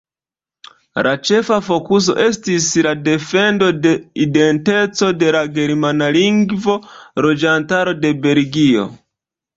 La ĉefa fokuso estis la defendo de identeco de la germanlingva loĝantaro de Belgio.